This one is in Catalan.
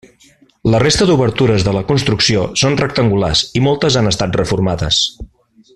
La resta d'obertures de la construcció són rectangulars i moltes han estat reformades.